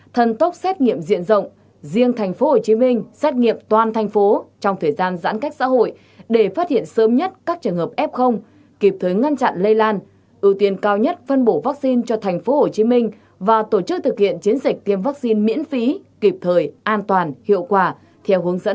thần tốc xét nghiệm diện rộng riêng tp hcm xét nghiệm toàn thành phố trong thời gian giãn cách xã hội để phát hiện sớm nhất các trường hợp f kịp thuế ngăn chặn lây lan ưu tiên cao nhất phân bổ vaccine cho tp hcm và tổ chức thực hiện chiến dịch tiêm vaccine miễn phí kịp thời an toàn hiệu quả theo hướng dẫn